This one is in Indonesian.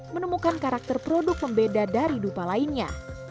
menemukan karakter produk pembeda dari dupa lainnya